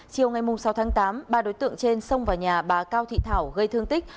chiều ngày sáu tháng tám ba đối tượng trên xông vào nhà bà cao thị thảo gây thương tích